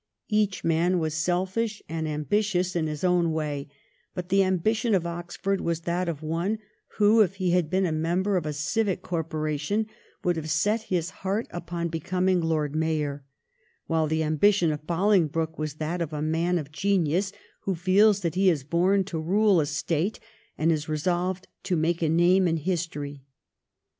Each man was selfish and ambitious in his own way, but the ambition of Oxford was that of one who, if he had been a member of a civic cor poration, would have set his heart upon becoming Lord Mayor, while the ambition of Bohngbroke was that of the man of genius who feels that he is born to rule a State and is resolved to make a name in history.